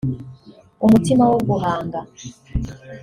umutima wo guhanga